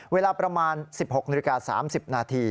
เวลาประมาณ๑๖น๓๐น